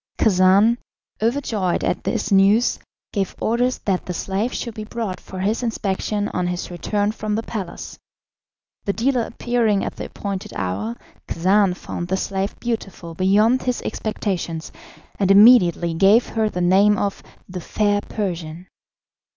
Khacan, overjoyed at this news, gave orders that the slave should be brought for his inspection on his return from the palace. The dealer appearing at the appointed hour, Khacan found the slave beautiful beyond his expectations, and immediately gave her the name of "The Fair Persian."